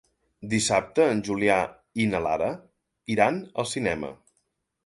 Dissabte en Julià i na Lara iran al cinema.